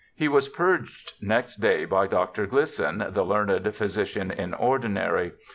He was purged next day by Dr. Glisson, the learned physician in ordinary.